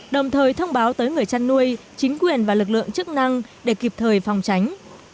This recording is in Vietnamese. đồng thời thông báo tới người chăn nuôi chính quyền và lực lượng chức năng để kịp thời phòng tránh